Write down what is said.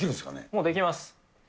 もうできます。